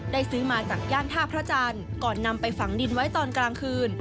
ซื้อมาจากย่านท่าพระจันทร์ก่อนนำไปฝังดินไว้ตอนกลางคืน